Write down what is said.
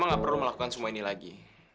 mama gak perlu melakukan semua ini lagi